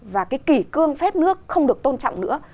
và cái kỷ cương phép nước không được tôn trọng nữa